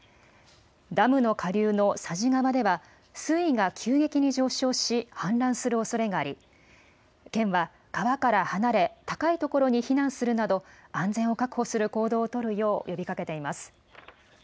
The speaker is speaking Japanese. ダムの下流の佐治川では、水位が急激に上昇し氾濫するおそれがあり、県は、川から離れ、高い所に避難するなど、安全を確保する行動を取るよう呼びかけています。